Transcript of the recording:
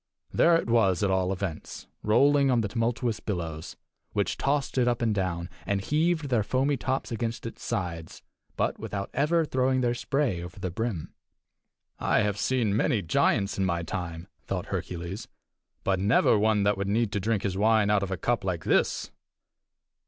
There it was at all events, rolling on the tumultuous billows, which tossed it up and down, and heaved their foamy tops against its sides, but without ever throwing their spray over the brim. "I have seen many giants in my time," thought Hercules, "but never one that would need to drink his wine, out of a cup like this."